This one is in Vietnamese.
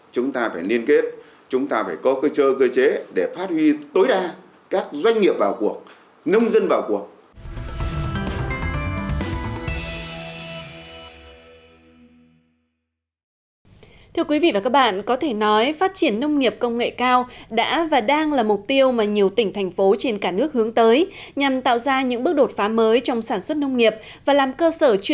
chúng ta phải liên kết chúng ta phải có cơ chơ cơ chế để phát huy tối đa các doanh nghiệp vào cuộc